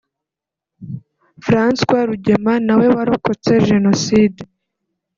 François Rugema na we warokotse Jenoside